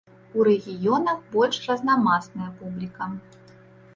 У рэгіёнах больш разнамасная публіка.